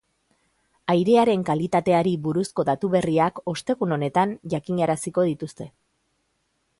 Airearen kalitateari buruzko datu berriak ostegun honetan jakinaraziko dituzte.